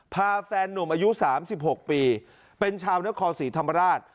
พาแฟนนุ่มอายุ๓๖ปีเป็นชาวนครศรีธรรมราช